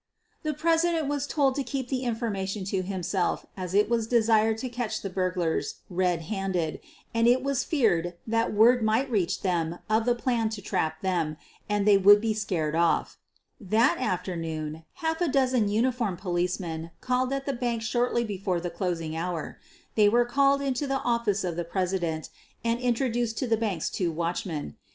The president was told to keep the information to himself as it was desired to catch the burglars red handed, and it was feared thai Ajrord might reach them of the plan to trap them and they would be scared off. That afternoon half a dozen uniformed police men called at the bank shortly before the closing 178 SOPHIE LYONS hour. They were called into the office of the presi dent and introduced to the bank's two watchmen.